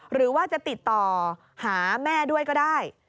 หรือว่าจะติดต่อหาแม่ด้วยก็ได้